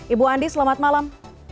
ibu andi selamat malam